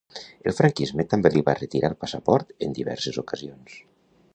El franquisme també li va retirar el passaport en diverses ocasions.